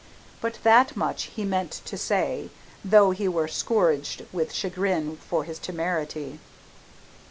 But that much he meant to say though he were scourged with chagrin for his temerity.